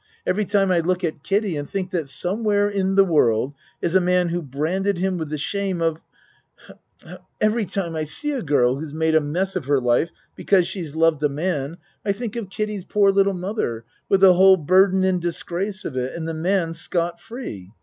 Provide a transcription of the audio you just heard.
Every time I look at Kiddie and think that some where in the world is a man who branded him with the shame of Every time I see a girl who's made a mess of her life because she's loved a man, I think of Kiddie's poor little mother, with the whole burden and disgrace of it and the man scott free.